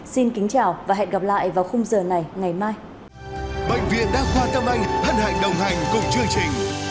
xin kính chào và hẹn gặp lại vào khung giờ này ngày mai